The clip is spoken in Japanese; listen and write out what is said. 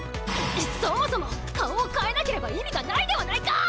そもそも顔を変えなければ意味がないではないか！